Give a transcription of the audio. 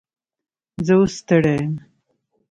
زه اوس ستړی یم